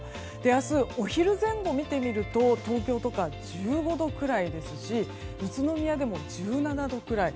明日、お昼前後を見てみると東京とか１５度ぐらいですし宇都宮でも１７度くらい。